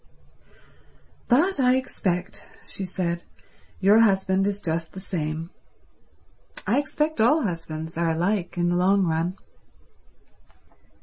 "But I expect," she said, "your husband is just the same. I expect all husbands are alike in the long run."